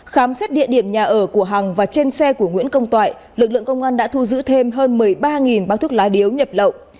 khám xét địa điểm nhà ở của hằng và trên xe của nguyễn công toại lực lượng công an đã thu giữ thêm hơn một mươi ba bác thuốc lá điếu nhập lậu